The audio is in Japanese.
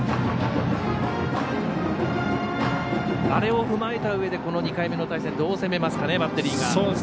あれを踏まえたうえで２回目の対戦どう攻めますかね、バッテリーが。